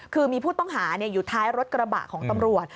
คือมีผู้ต้องหาอยู่ท้ายรถกระบะของตำรวจ